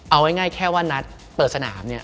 เอาง่ายแค่ว่านัดเปิดสนาม